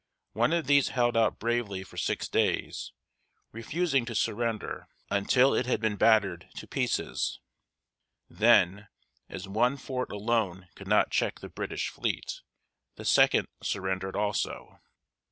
One of these held out bravely for six days, refusing to surrender until it had been battered to pieces. Then, as one fort alone could not check the British fleet, the second surrendered also.